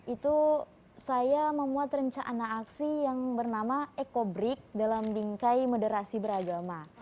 itu saya memuat rencana aksi yang bernama ekobrik dalam bingkai moderasi beragama